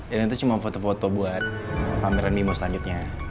ini tuh cuma foto foto buat pameran mimo selanjutnya